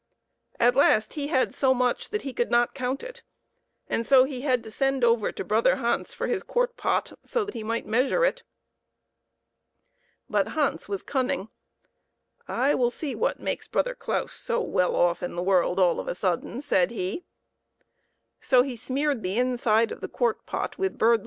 At last he had so much that he could not count it, and so he had to send over to brother Hans for his quart pot, so that he might measure it. But Hans was cunning. " I will see what makes brother Claus so well off in the world all of a sudden," said he ; so he smeared the inside of the quart pot with bird lime.